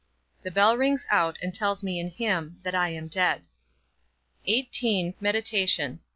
The bell rings out, and tells me in him, that I am dead. XVIII. MEDITATION.